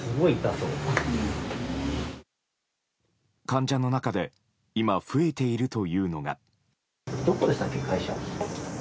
患者の中で今増えているというのが。